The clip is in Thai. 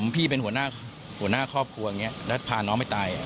พี่เป็นหัวหน้าครอบครัวพาน้องไม่ตาย